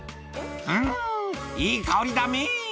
うーん、いい香りだね。